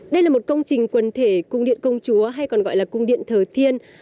đây là một công trình quần thể cung điện công chúa hay còn gọi là cung điện thờ thiên